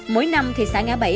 mỗi năm thị xã ngã bẫy